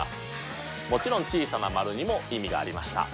もちろん小さなマルにも意味がありました。